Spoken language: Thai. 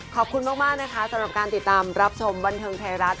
ขอบคุณมากนะคะสำหรับการติดตามรับชมบันเทิงไทยรัฐ